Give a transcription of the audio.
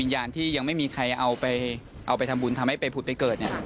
ยังไม่มีใครเอาไปทำบุญทำให้ใบพุทธไปเกิด